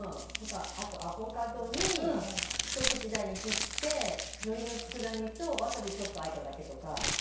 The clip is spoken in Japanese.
あとアボカド一口大に切ってのりの佃煮とワサビちょっとあえただけとか。